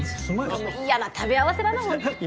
嫌な食べ合わせだなほんと。